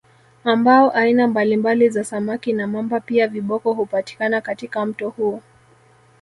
Ambao aina mbalimbali za Samaki na Mamba pia viboko hupatikana katika mto huu